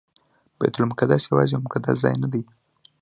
بیت المقدس یوازې یو مقدس ځای نه.